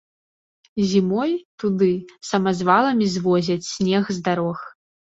Зімой туды самазваламі звозяць снег з дарог.